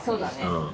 うん。